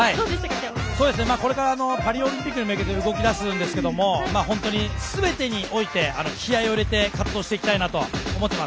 これからパリオリンピックに向けて動き出すんですがすべてにおいて気合いを入れて活動していきたいなと思ってます。